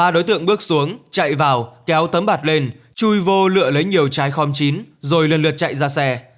ba đối tượng bước xuống chạy vào kéo tấm bạt lên chui vô lựa lấy nhiều trái khon chín rồi lần lượt chạy ra xe